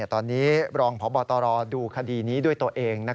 ตอนนี้รองพบตรดูคดีนี้ด้วยตัวเอง